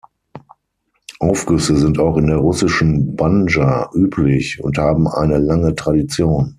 Aufgüsse sind auch in der russischen Banja üblich und haben eine lange Tradition.